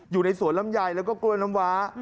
อยู่ในสวนลำไยแล้วก็กล้วยน้ำว้า